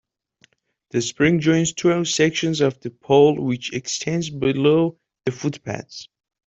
The spring joins two sections of the pole, which extends below the footpads.